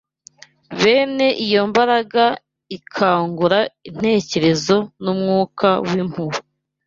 Bene iyo mbaraga ikangura intekerezo n’umwuka w’impuhwe